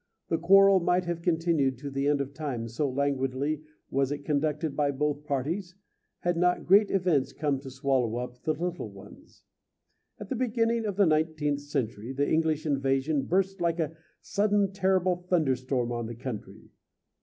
The quarrel might have continued to the end of time, so languidly was it conducted by both parties, had not great events come to swallow up the little ones. At the beginning of the nineteenth century the English invasion burst like a sudden terrible thunderstorm on the country.